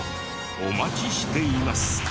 お待ちしています。